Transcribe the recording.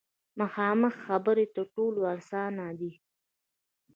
مخامخ خبرې تر ټولو اسانه دي.